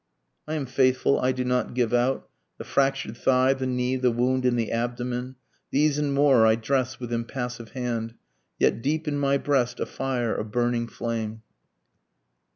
I am faithful, I do not give out, The fractur'd thigh, the knee, the wound in the abdomen, These and more I dress with impassive hand, (yet deep in my breast a fire, a burning flame.)